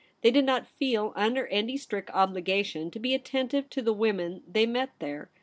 They did not feel under any strict obligation to be attentive to the women they met there.